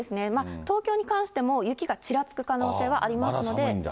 東京に関しても、雪がちらつく可能性ありますので。